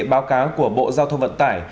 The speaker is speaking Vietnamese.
báo cáo của bộ giao thông vận tải